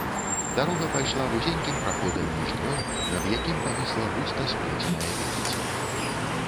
Дарога пайшла вузенькім праходам між дрэў, над якім павісла густа сплеценае вецце.